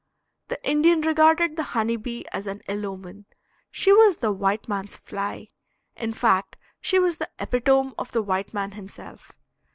The Indian regarded the honey bee as an ill omen. She was the white man's fly. In fact she was the epitome of the white man himself.